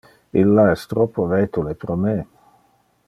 Illa es troppo vetule pro me.